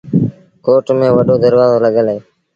ڪوٽ ميݩ وڏو دروآزو لڳل اهي۔